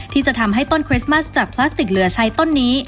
ที่จะทำให้ต้นคริสต์มัสจากพลาสติกเหลือใช้ต้นนี้